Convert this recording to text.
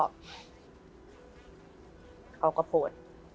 เขาก็โพสต์